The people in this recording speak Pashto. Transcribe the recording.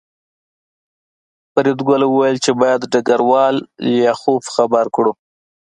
فریدګل وویل چې باید ډګروال لیاخوف خبر کړو